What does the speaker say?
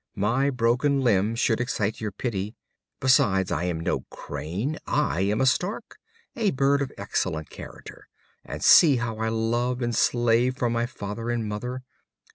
My broken limb should excite your pity. Besides, I am no Crane, I am a Stork, a bird of excellent character; and see how I love and slave for my father and mother.